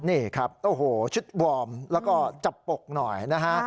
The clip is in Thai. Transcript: นี่ครับโอ้โหชุดวอร์มแล้วก็จับปกหน่อยนะฮะ